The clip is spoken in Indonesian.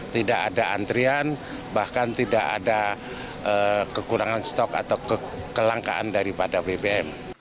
tidak ada antrian bahkan tidak ada kekurangan stok atau kelangkaan daripada bbm